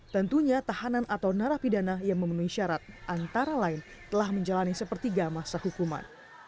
tentunya tahanan atau narapidana yang memenuhi syarat antara lain telah menjalani sepertiga masa hukuman